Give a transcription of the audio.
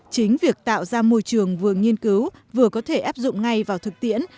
chính việc tạo ra môi trường vừa nghiên cứu vừa có thể áp dụng ngay vào thực tiễn